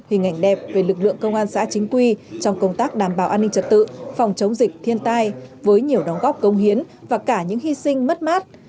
hình ảnh đẹp về lực lượng công an xã chính quy trong công tác đảm bảo an ninh trật tự phòng chống dịch thiên tai với nhiều đóng góp công hiến và cả những hy sinh mất mát